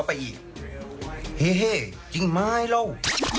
และเฮเมื่อรู้สึกกลัวอะไรมาก